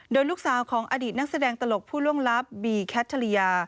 โดยลูกสาวของอดีตนักแสดงตลกผู้ล่วงลับบีแคทริยา